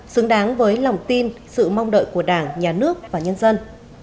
xứng đáng với lòng tin sự mong đợi của đảng nhà nước và nhân dân